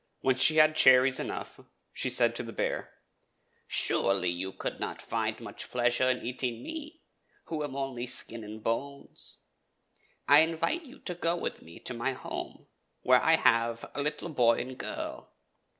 When she had cherries enough she said to the bear :" Surely, you could not find much pleasure in eating me, who am only skin and bones. I invite you to go with me to my home, where I have a little boy and girl.